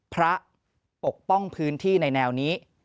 ปกป้องพื้นที่ในแนวนี้